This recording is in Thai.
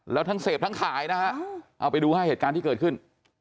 แล้วทั้งเสพทั้งขายนะฮะเอาไปดูให้เหตุการณ์ที่เกิดขึ้น